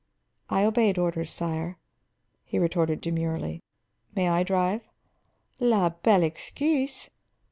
"I obeyed orders, sire," he retorted demurely. "May I drive?" "_La belle excuse!